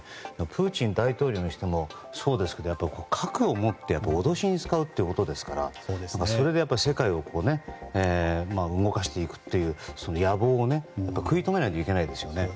プーチン大統領にしてもそうですけど核を持って脅しに使うということですからそれで世界を動かしていくという野望を食い止めないといけないですよね。